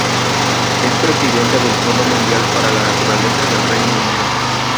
Es presidenta del Fondo Mundial para la Naturaleza del Reino Unido.